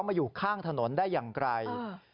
มาอยู่ข้างถนนได้อย่างไกล